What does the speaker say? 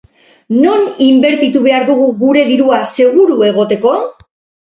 Non inbertitu behar dugu gure dirua seguru egoteko?